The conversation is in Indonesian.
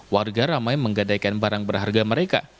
warga ramai menggadaikan barang berharga mereka